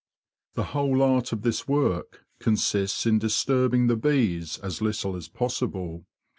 The whole art of this work consists in disturbing the bees as little as possible.